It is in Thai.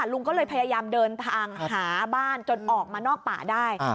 ลุงก็เลยพยายามเดินทางหาบ้านจนออกมานอกป่าได้